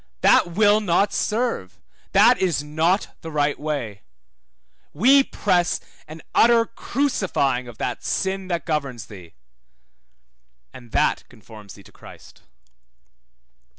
That will not serve that is not the right way; we press an utter crucifying of that sin that governs thee: and that conforms thee to Christ.